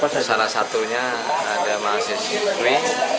salah satunya ada mahasiswi